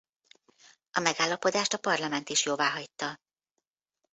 A megállapodást a parlament is jóváhagyta.